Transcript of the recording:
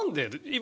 今。